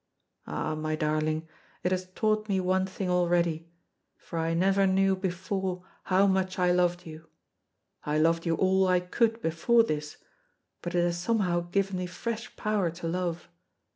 Ah, my darling, it has taught me one thing already, for I never knew before how much I loved you. I loved you all I could before this, but it has somehow given me fresh power to love.